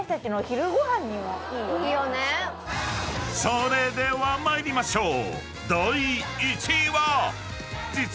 ［それでは参りましょう］